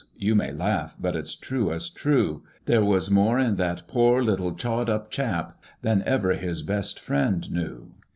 You may laugh, but it's true as true! There was more in that pore little chawed up chap Than ever his best friend knew.